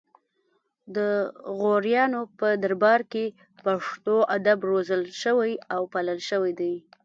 د غوریانو په دربار کې پښتو ادب روزل شوی او پالل شوی دی